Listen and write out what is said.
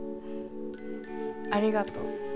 ありがとう。